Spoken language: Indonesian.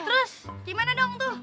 terus gimana dong tuh